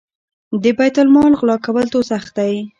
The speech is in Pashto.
د بیت المال غلا کول دوزخ دی.